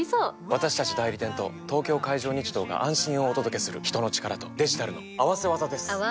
私たち代理店と東京海上日動が安心をお届けする人の力とデジタルの合わせ技です！